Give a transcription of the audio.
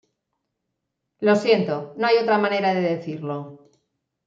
Lo siento, no hay otra manera de decirlo".